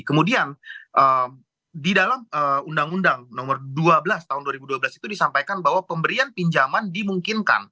kemudian di dalam undang undang nomor dua belas tahun dua ribu dua belas itu disampaikan bahwa pemberian pinjaman dimungkinkan